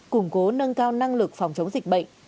củng cố nâng cao năng lực phòng chống dịch bệnh